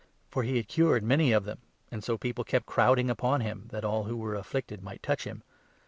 For he had cured many of them, and so people 10 kept crowding upon him, that all who were afflicted might touch him.